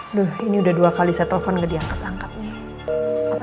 aduh ini udah dua kali saya telfon gak diangkat angkatnya